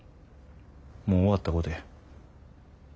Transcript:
もう終わったことや。